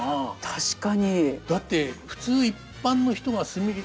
確かに。